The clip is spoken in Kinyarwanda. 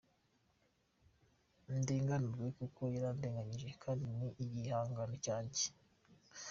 ndenganurwe kuko yarandenganyije kandi ni igihangano cyanjye.